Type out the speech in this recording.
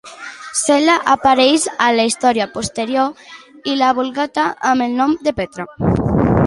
Sela apareix a la història posterior i a la Vulgata amb el nom de Petra.